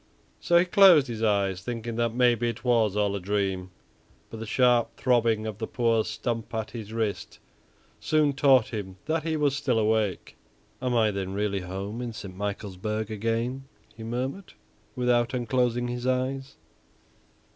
So he closed his eyes, thinking that maybe it was all a dream. But the sharp throbbing of the poor stump at his wrist soon taught him that he was still awake. "Am I then really home in St. Michaelsburg again?" he murmured, without unclosing his eyes.